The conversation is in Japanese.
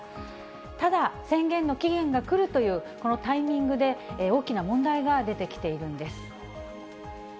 ただ、宣言の期限が来るというこのタイミングで、大きな問題が出てきているんです。